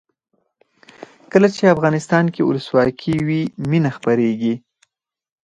کله چې افغانستان کې ولسواکي وي مینه خپریږي.